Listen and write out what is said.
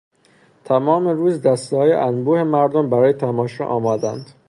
تمام روز دستههای انبوه مردم برای تماشا آمدند.